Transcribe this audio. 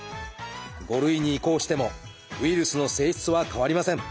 ５類に移行してもウイルスの性質は変わりません。